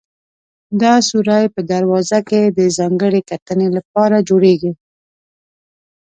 دا سورى په دروازه کې د ځانګړې کتنې لپاره جوړېږي.